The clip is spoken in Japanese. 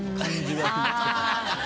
ハハハハ！